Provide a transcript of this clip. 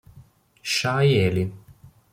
Shy Ely